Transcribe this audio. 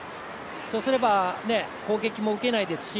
そうすれば攻撃も受けないですし